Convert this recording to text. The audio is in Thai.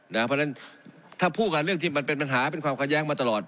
เพราะฉะนั้นถ้าพูดกับเรื่องที่มันเป็นปัญหาเป็นความขัดแย้งมาตลอด